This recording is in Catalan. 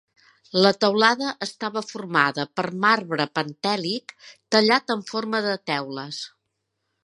La teulada estava formada per marbre pentèlic tallat en forma de teules.